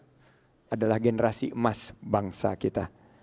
stunting kita akan memiliki generasi muda adalah generasi emas bangsa kita